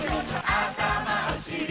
あたまおしり